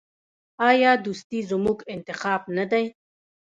آیا دوستي زموږ انتخاب نه دی؟